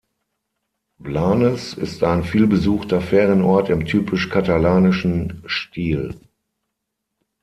Blanes ist ein vielbesuchter Ferienort im typisch katalanischen Stil.